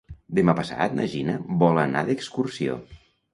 Demà passat na Gina vol anar d'excursió.